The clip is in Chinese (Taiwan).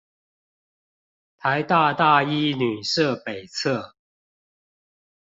臺大大一女舍北側